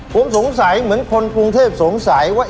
ผมสงสัยเหมือนคนกรุงเทพสงสัยว่า